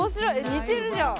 似てるじゃん！